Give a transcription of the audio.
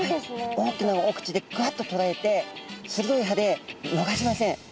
大きなお口でグワッととらえて鋭い歯で逃しません。